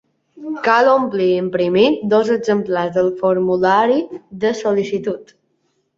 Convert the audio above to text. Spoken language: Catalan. Cal omplir i imprimir dos exemplars del formulari de sol·licitud.